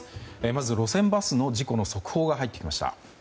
まず、路線バスの事故の速報が入ってきました。